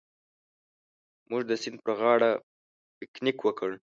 موږ د سیند پر غاړه پکنیک وکړ.